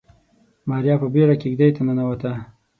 ماريا په بيړه کېږدۍ ته ننوته.